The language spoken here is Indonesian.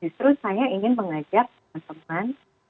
justru saya ingin mengajak teman teman